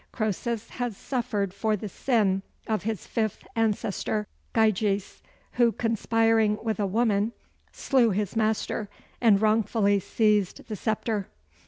Croesus has suffered for the sin of his fifth ancestor (Gyges), who, conspiring with a woman, slew his master and wrongfully seized the sceptre.